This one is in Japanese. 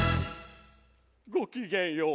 ごきげんよう。